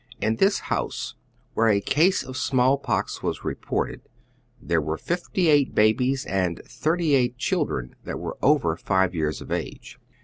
In this house, where a ease of small pox was reported, there were fifty eight babies and thirty eight children that were over five years of age.